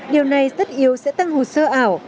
điều này tất yếu sẽ tăng hồ sơ ảo